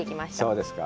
そうですか。